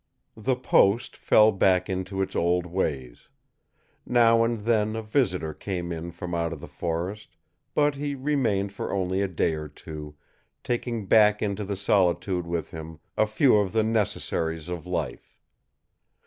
The post fell back into its old ways. Now and then a visitor came in from out of the forest, but he remained for only a day or two, taking back into the solitude with him a few of the necessaries of life.